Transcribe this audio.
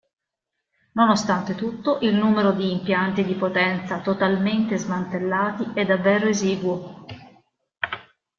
Nonostante tutto, il numero di impianti di potenza totalmente smantellati è davvero esiguo.